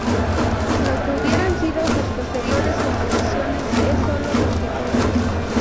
Lo que hubieran sido sus posteriores composiciones es sólo conjetura.